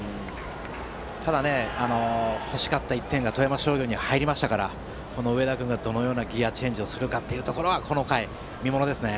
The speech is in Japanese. ただ、欲しかった１点が富山商業に入りましたからこの上田君がどのようなギヤチェンジをするかこの回、見ものですね。